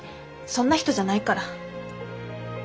そんな人じゃないから。